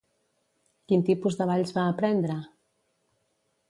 Quin tipus de balls va aprendre?